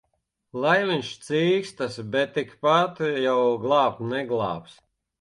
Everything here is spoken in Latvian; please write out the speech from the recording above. Lai viņš cīkstas! Bet tikpat jau glābt neglābs.